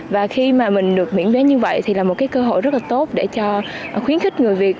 và khi mà mình được miễn vé như vậy thì là một cái cơ hội rất là tốt để cho khuyến khích người việt